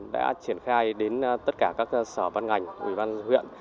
đã triển khai đến tất cả các sở văn ngành ủy ban huyện